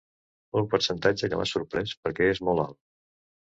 Un percentatge que m’ha sorprès perquè és molt alt.